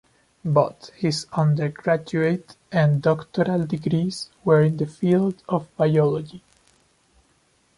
Both his undergraduate and doctoral degrees were in the field of biology.